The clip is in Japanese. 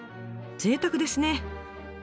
ぜいたくですね！